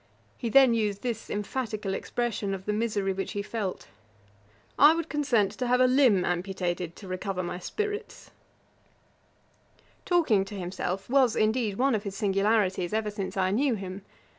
He then used this emphatical expression of the misery which he felt: 'I would consent to have a limb amputated to recover my spirits.' [Page 484: Johnson's particularities. A.D. 1764.] Talking to himself was, indeed, one of his singularities ever since I knew him.